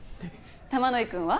玉乃井くんは？